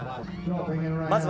まずは。